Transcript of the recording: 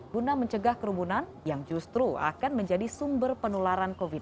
guna mencegah kerumunan yang justru akan menjadi sumber penularan covid sembilan belas